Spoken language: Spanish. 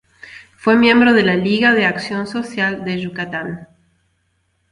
Fue miembro de la Liga de Acción Social de Yucatán.